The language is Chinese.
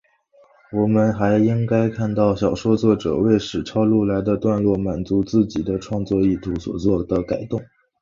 我们还应该看到小说作者为使抄录来的段落满足自己的创作意图所作的改动。